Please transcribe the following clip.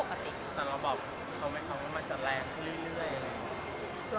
เขาไม่ทำน้องมาจะรงนั้นมันจะแรงที่เรื่อย